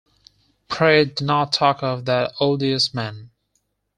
Pray do not talk of that odious man.